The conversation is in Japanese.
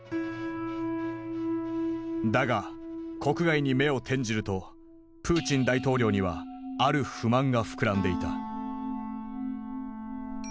だが国外に目を転じるとプーチン大統領にはある不満が膨らんでいた。